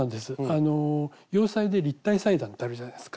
あの洋裁で立体裁断ってあるじゃないですか。